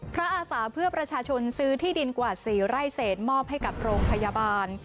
อาสาเพื่อประชาชนซื้อที่ดินกว่า๔ไร่เศษมอบให้กับโรงพยาบาล